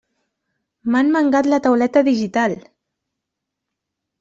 M'han mangat la tauleta digital!